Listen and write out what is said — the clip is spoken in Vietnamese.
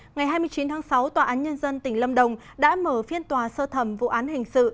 ngày hai mươi chín tháng sáu tòa án nhân dân tỉnh lâm đồng đã mở phiên tòa sơ thẩm vụ án hình sự